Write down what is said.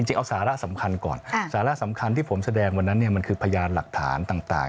เอาสาระสำคัญก่อนสาระสำคัญที่ผมแสดงวันนั้นมันคือพยานหลักฐานต่าง